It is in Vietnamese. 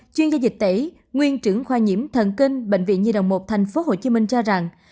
chuyên gia dịch tễ nguyên trưởng khoa nhiễm thần kinh bệnh viện nhi đồng một tp hcm cho rằng